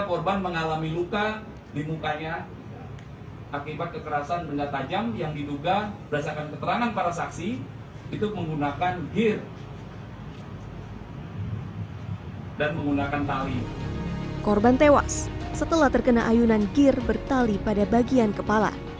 korban tewas setelah terkena ayunan gir bertali pada bagian kepala